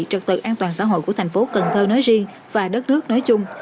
trực tự an toàn xã hội của thành phố cần thơ nói riêng và đất nước nói chung